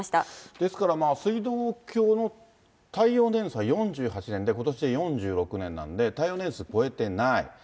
ですから、水道橋の耐用年数は４８年で、ことしで４６年なんで、耐用年数を超えてない。